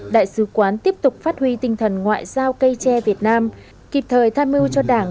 đại sứ quán tiếp tục phát huy tinh thần ngoại giao cây tre việt nam kịp thời tham mưu cho đảng